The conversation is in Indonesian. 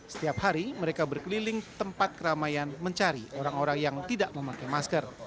setiap hari mereka berkeliling tempat keramaian mencari orang orang yang tidak memakai masker